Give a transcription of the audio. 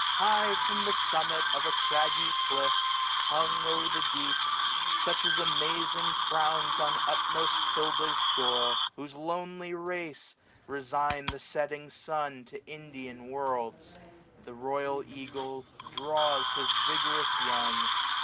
High from the summit of a craggy cliff. Hung o'er the deep, such as amazing frowns On utmost Kilda's shore ; whose lonely race Resign the setting sun to Indian worlds ; 755 The royal eagle draws his vigorous young.